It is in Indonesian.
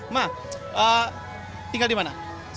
ma tinggal di mana